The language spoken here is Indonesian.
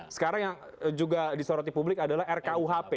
sekarang yang juga disoroti publik adalah rkuhp